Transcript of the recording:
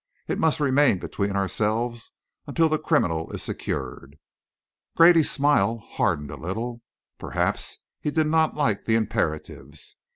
It must remain between ourselves until the criminal is secured." Grady's smile hardened a little. Perhaps he did not like the imperatives.